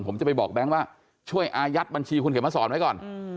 ผมจะไปบอกแบงค์ว่าช่วยอายัดบัญชีคุณเขียนมาสอนไว้ก่อน